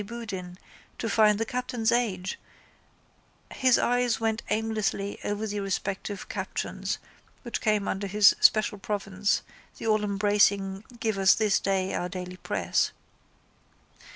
Boudin find the captain's age, his eyes went aimlessly over the respective captions which came under his special province the allembracing give us this day our daily press.